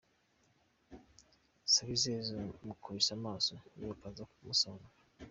Sabizeze amukubise amaso, yiruka aza amusanga.